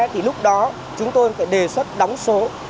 thì lúc đó chúng tôi phải đề xuất đóng số